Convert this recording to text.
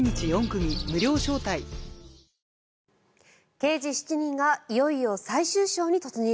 「刑事７人」がいよいよ最終章に突入。